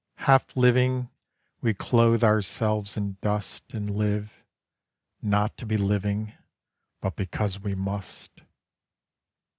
Half living, We clothe ourselves in dust And live, not to be living, But because we must.